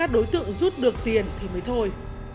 đối tượng rút được tiền thì mới thôi